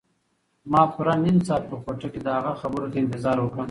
ما پوره نیم ساعت په کوټه کې د هغه خبرو ته انتظار وکړ.